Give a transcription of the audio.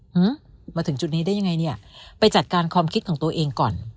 อืมมาถึงจุดนี้ได้ยังไงเนี่ยไปจัดการความคิดของตัวเองก่อน